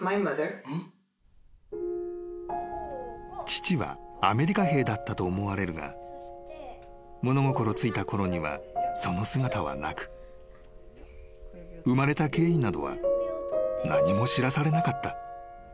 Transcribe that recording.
［父はアメリカ兵だったと思われるが物心付いたころにはその姿はなく生まれた経緯などは何も知らされなかった］